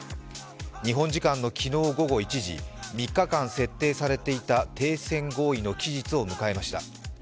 日本時間の昨日午後１時、３日間設定されていた停戦合意の期日を迎えました。